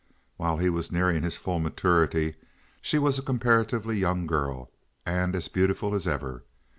While he was nearing his full maturity she was a comparatively young girl, and as beautiful as ever.